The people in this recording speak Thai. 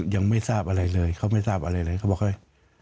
ยังไม่ทราบอะไรเลยเขาไม่ทราบอะไรเลยเขาบอกเฮ้ย